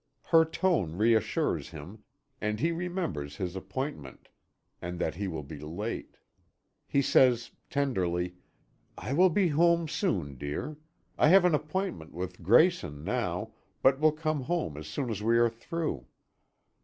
Her tone reassures him, and he remembers his appointment, and that he will be late. He says, tenderly: "I will be home soon, dear. I have an appointment with Grayson now, but will come home as soon as we are through."